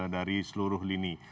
dari seluruh lini